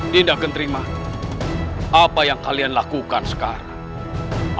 dinda kenteriman apa yang kalian lakukan sekarang